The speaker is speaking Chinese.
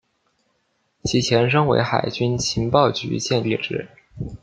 其前身为海军情报局建立之。